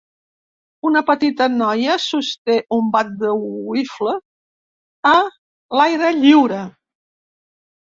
Una petita noia sosté un bat de wiffle a l'aire lliure.